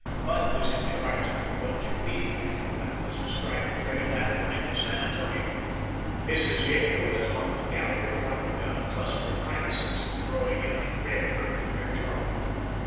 Bud was in charge of the bunch of beef cattle that was to strike the trail that morning for San Antonio. Mrs. Yeager was on the gallery watering a cluster of hyacinths growing in a red earthenware jar.